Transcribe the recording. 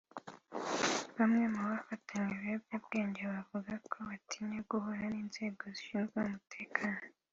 Bamwe mu bafatanywe ibiyobyabwenge bavuga ko batinya guhura n’inzego zishinzwe umutekano